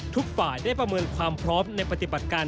ทุกฝ่ายได้ประเมินความพร้อมในปฏิบัติการ